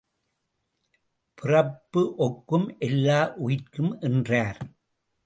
பிறப்பு ஒக்கும் எல்லா உயிர்க்கும் என்றார்.